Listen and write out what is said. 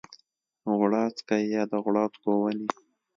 غوړاڅکی یا د غوړاڅکو ونې